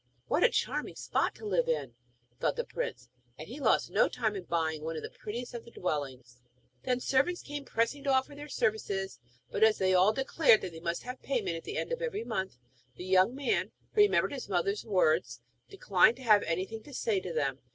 'What a charming spot to live in,' thought the prince. And he lost no time in buying one of the prettiest of the dwellings. Then servants came pressing to offer their services; but as they all declared that they must have payment at the end of every month, the young man, who remembered his mother's words, declined to have anything to say to them.